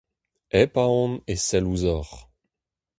Hep aon e sell ouzhoc'h.